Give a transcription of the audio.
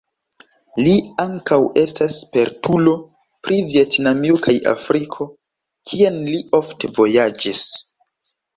Li ankaŭ estas spertulo pri Vjetnamio kaj Afriko, kien li ofte vojaĝis.